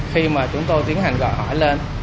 khi chúng tôi tiến hành gọi hỏi lên